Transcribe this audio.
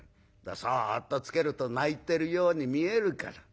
そっとつけると泣いてるように見えるから。